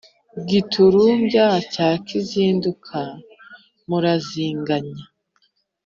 Giturumbya cya Kizinduka, murazinganya.